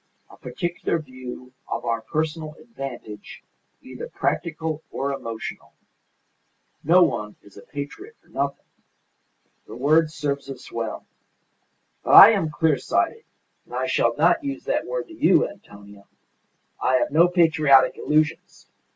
A particular view of our personal advantage either practical or emotional. No one is a patriot for nothing. The word serves us well. But I am clear sighted, and I shall not use that word to you, Antonia! I have no patriotic illusions.